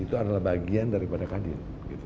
itu adalah bagian daripada kadin